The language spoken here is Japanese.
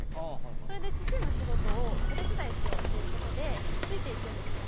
それで父の仕事をお手伝いしようってことで、ついていくんですよ。